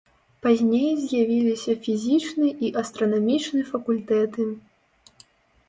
Пазней з'явіліся фізічны і астранамічны факультэты.